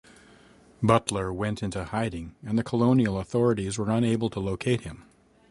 Butler went into hiding and the colonial authorities were unable to locate him.